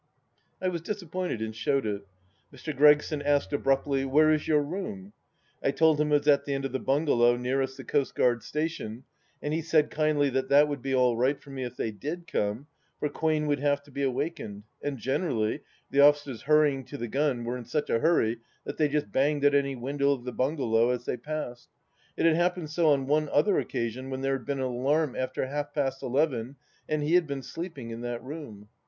I was disappointed and showed it. Mr. Gregson asked abruptly, " Where is your room ?" I told him it was at the end of the bungalow nearest the coastguard station, and he said kindly that that would be all right for me if they did come, for Quain would have to be awakened, and generally, the officers hurrying to the gun, were in such a hurry that they just banged at any window of the bungalow as they passed. It had happened so on one other occasion when there had been an alarm after half past eleven and he had been sleeping in that room.